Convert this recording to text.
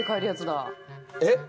えっ？